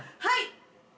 はい！